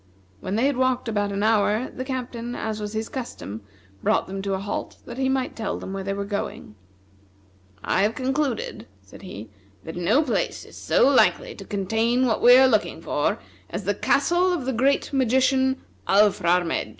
When they had walked about an hour, the Captain, as was his custom, brought them to a halt that he might tell them where they were going. "I have concluded," said he, "that no place is so likely to contain what we are looking for as the castle of the great magician, Alfrarmedj.